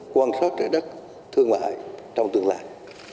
quan sát trái đất thương mại trong tương lai